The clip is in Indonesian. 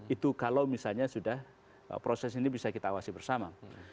itu kalau misalnya sudah proses ini bisa kita awasi bersama